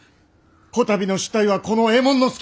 こたびの失態はこの右衛門佐。